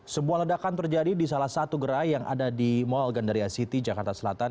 sebuah ledakan terjadi di salah satu gerai yang ada di mall gandaria city jakarta selatan